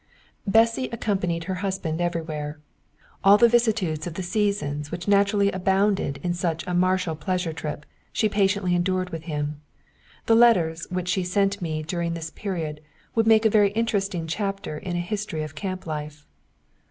Bessy accompanied her husband everywhere. All the vicissitudes of the seasons which naturally abounded in such a martial pleasure trip she patiently endured with him. The letters which she sent to me during this period would make a very interesting chapter in a history of camp life.